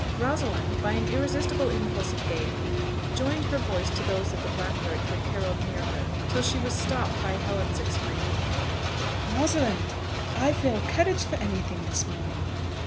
Rosalind, by an irresistible impulse of gaiety, joined her voice to those of the blackbirds that carolled near her, till she was stopped by Helen's exclaiming, "Rosalind, I feel courage for anything this morning!"